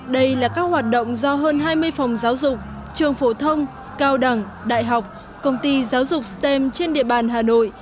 đây là các hoạt động do hơn hai mươi phòng giáo dục trường phổ thông cao đẳng đại học công ty giáo dục stem trên địa bàn hà nội